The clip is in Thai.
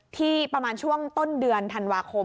ที่ประมาณช่วงต้นเดือนธันวาคม